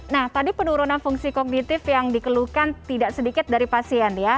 nah tadi penurunan fungsi kognitif yang dikeluhkan tidak sedikit dari pasien ya